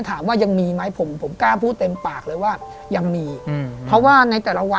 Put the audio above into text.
ที่มีอยู่ในบ้าน